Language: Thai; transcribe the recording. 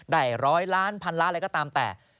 ร้อยล้านพันล้านอะไรก็ตามแต่